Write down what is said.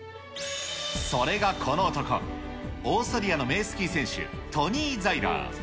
それがこの男、オーストリアの名スキー選手、トニー・ザイラー。